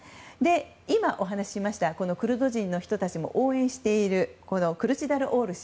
今、お話ししましたクルド人の人たちも応援しているクルチダルオール氏。